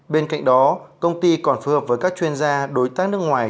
bên cạnh đó công ty còn phù hợp với các chuyên gia đối tác nước ngoài